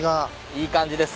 いい感じです